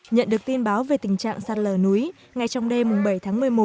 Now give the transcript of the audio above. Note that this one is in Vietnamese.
nhận được tin báo về tình trạng sạt lở núi ngay trong đêm bảy tháng một mươi một